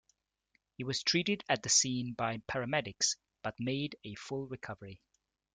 He was treated at the scene by paramedics, but made a full recovery.